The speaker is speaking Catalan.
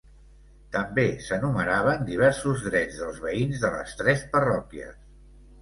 També s'enumeraven diversos drets dels veïns de les tres parròquies.